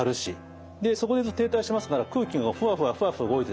でそこで停滞してますから空気がふわふわふわふわ動いてですね